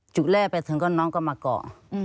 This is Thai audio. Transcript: จุดแรกเป็นอย่างเป็นวันนี้